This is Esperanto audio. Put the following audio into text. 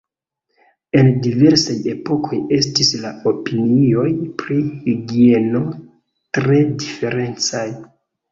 En diversaj epokoj estis la opinioj pri higieno tre diferencaj.